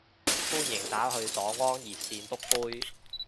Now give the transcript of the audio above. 歡迎打去黨安熱線篤灰